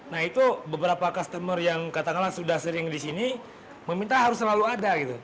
nah itu beberapa customer yang katakanlah sudah sering di sini meminta harus selalu ada gitu